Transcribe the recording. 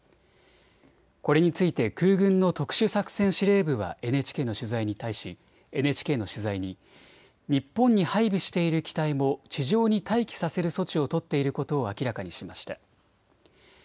これについて空軍の特殊作戦司令部はＮＨＫの取材に日本に配備している機体も地上に待機させる措置を取っていることを明らかにしました。